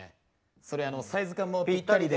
それサイズ感もぴったりで。